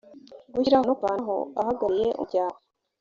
gushyiraho no kuvanaho abahagarariye umuryango